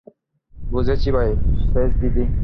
বুঝেছি ভাই সেজদিদি!